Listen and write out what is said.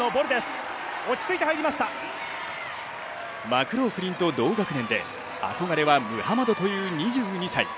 マクローフリンと同学年で憧れはムハマドという２２歳。